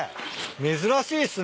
珍しいっすね。